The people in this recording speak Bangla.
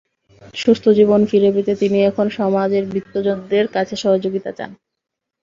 সুস্থ জীবন ফিরে পেতে তিনি এখন সমাজের বিত্তবানদের কাছে সহযোগিতা চান।